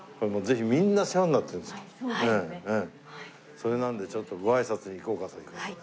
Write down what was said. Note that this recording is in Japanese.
それなのでちょっとご挨拶に行こうかという事で。